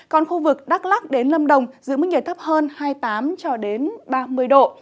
còn khu vực đắk lắc đến lâm đồng giữ mức nhiệt thấp hơn hai mươi tám ba mươi độ